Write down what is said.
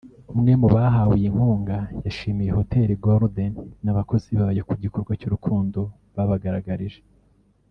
umwe mu bahawe iyi nkunga yashimiye Hoteli Golden n’abakozi bayo ku gikorwa cy’urukundo babagaragarije